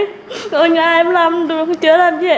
còn nhà em làm đường chưa làm gì